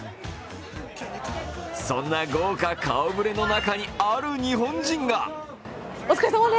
そんな豪華顔ぶれの中にある日本人が。